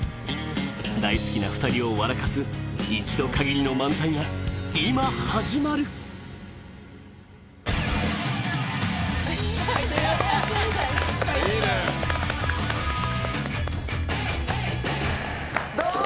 大好きな２人を笑かす一度限りの漫才が今始まるどうも。